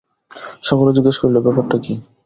সকলে জিজ্ঞাসা করিল, ব্যাপারটা কী?